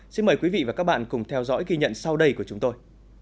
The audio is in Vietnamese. xin mời quý vị và các bạn cùng theo dõi ghi nhận sau đây của chúng tôi